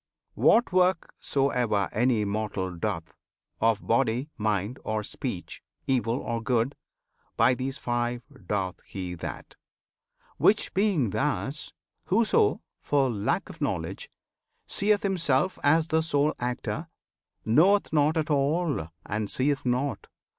What work soever any mortal doth Of body, mind, or speech, evil or good, By these five doth he that. Which being thus, Whoso, for lack of knowledge, seeth himself As the sole actor, knoweth nought at all And seeth nought.